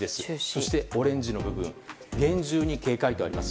そして、オレンジの部分厳重に警戒とあります。